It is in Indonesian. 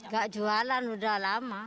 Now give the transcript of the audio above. gak jualan udah lama